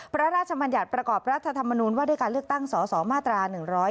พระราชมัญญัติประกอบรัฐธรรมนูญว่าด้วยการเลือกตั้งสสมาตรา๑๕